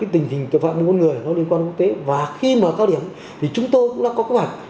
tình hình tội phạm mua bán người liên quan quốc tế và khi mà cao điểm thì chúng tôi cũng đã có kế hoạch